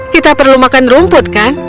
kita perlu makan rumput kan